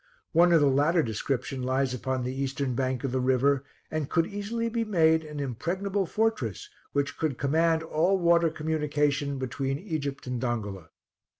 One of the latter description lies upon the eastern bank of the river, and could easily be made an impregnable fortress, which could command all water communication between Egypt and Dongola.